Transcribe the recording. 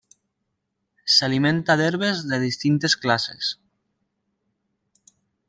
S'alimenta d'herbes de distintes classes.